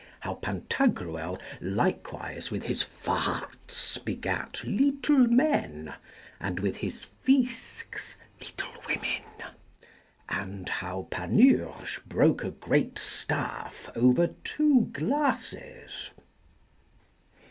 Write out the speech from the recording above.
How Pantagruel likewise with his farts begat little men, and with his fisgs little women; and how Panurge broke a great staff over two glasses.